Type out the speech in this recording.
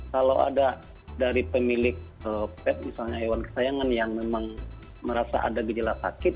kalau ada dari pemilik pet misalnya hewan kesayangan yang memang merasa ada gejala sakit